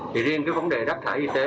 thì riêng vấn đề rác thải y tế